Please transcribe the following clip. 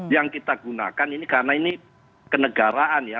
yang kita gunakan ini karena ini kenegaraan ya